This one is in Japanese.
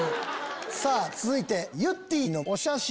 続いてゆってぃのお写真